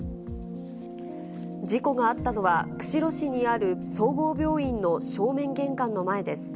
事故があったのは、釧路市にある総合病院の正面玄関の前です。